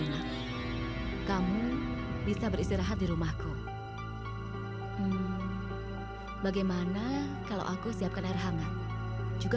gak usah dipikirin lagi